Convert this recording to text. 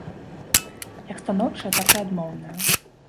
Як станоўчая, так і адмоўная.